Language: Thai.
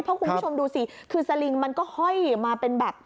เพราะคุณผู้ชมดูสิคือสลิงมันก็ห้อยมาเป็นแบบ